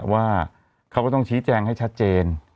ว่าเขาก็ต้องชี้แจงให้ชัดเจน